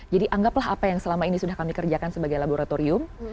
jadi anggaplah apa yang selama ini sudah kami kerjakan sebagai laboratorium